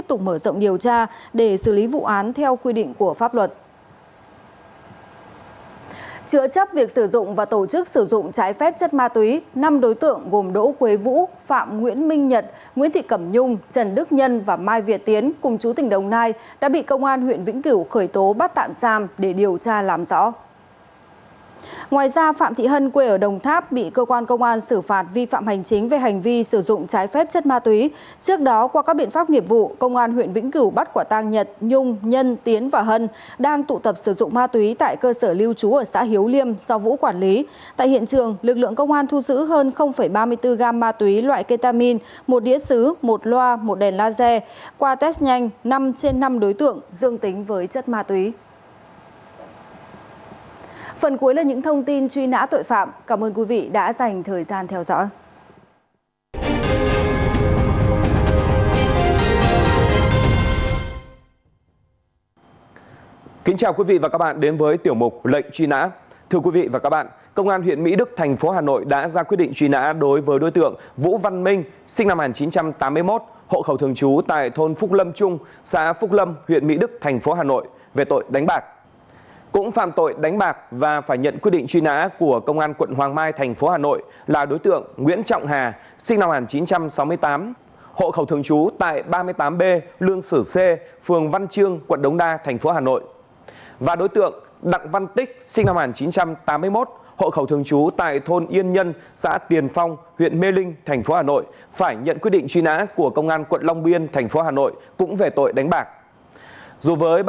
phần cuối là những thông tin truy nã tội phạm cảm ơn quý vị đã dành thời gian theo dõi